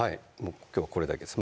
きょうはこれだけです